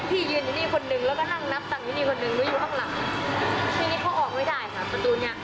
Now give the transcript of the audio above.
ทีนี้เขาออกไม่ได้ค่ะประตูนี้